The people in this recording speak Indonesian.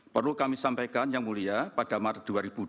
perlu kami sampaikan yang mulia pada maret dua ribu dua puluh